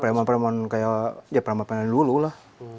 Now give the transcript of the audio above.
preman preman kayak ya preman preman dulu lah